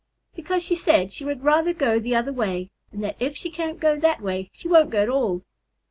"Because she says she would rather go the other way, and that if she can't go that way, she won't go at all."